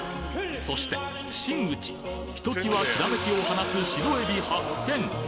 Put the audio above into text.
そして真打ひときわきらめきを放つ白えび発見！